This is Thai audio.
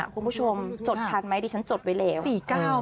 คุณผู้ชมจดทันไหมดิฉันจดไว้แล้ว